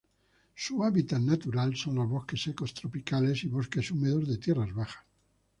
Su hábitat natural son los bosques secos tropicales y bosques húmedos de tierras bajas.